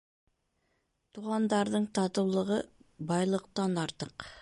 Туғандарҙың татыулығы байлыҡтан артыҡ.